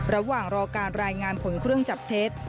ระหว่างรอการรายงานผลเครื่องจับเท็จ